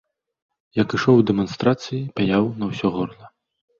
Як ішоў у дэманстрацыі, пяяў на ўсё горла.